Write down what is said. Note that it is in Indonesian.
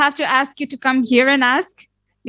karena anda memiliki kamera di sini